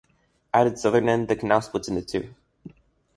At its southern end, the canal splits into two.